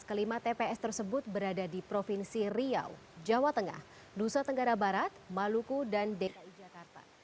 kelima tps tersebut berada di provinsi riau jawa tengah nusa tenggara barat maluku dan dki jakarta